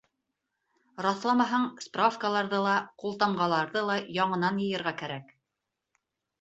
Раҫламаһаң, справкаларҙы ла, ҡултамғаларҙы ла яңынан йыйырға кәрәк.